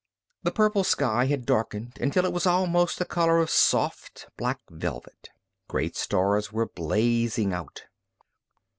The purple sky had darkened until it was almost the color of soft, black velvet. Great stars were blazing out.